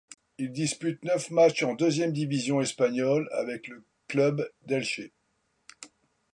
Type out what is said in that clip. Il dispute neuf matchs en deuxième division espagnole avec le club d'Elche.